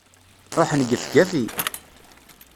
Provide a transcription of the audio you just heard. Ruḥen gefgafi!